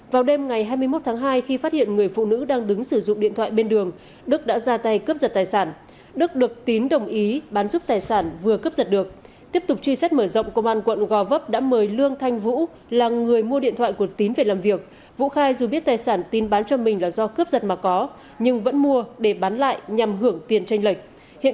vào ngày hai mươi một tháng hai trong lúc đứng bên đường một người phụ nữ đã bị một nam thanh niên điều khiển